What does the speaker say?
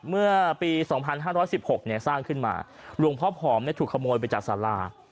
เมื่อปี๒๕๑๖สร้างขึ้นมาหลวงพ่อผอมถูกขโมยไปจากสารา